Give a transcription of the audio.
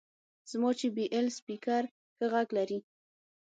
زما جې بي ایل سپیکر ښه غږ لري.